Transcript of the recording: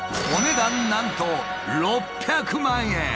お値段なんと６００万円。